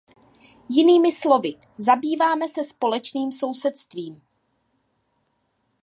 Jinými slovy, zabýváme se společným sousedstvím.